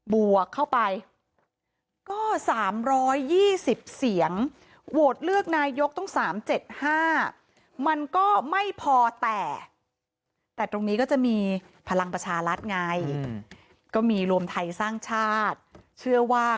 บวกเข้าไปก็๓๒๐เสียงโหวตเลือกนายกต้อง๓๗๕มันก็ไม่พอแต่แต่ตรงนี้ก็จะมีพลังประชารัฐไงก็มีรวมไทยสร้างชาติเชื่อว่า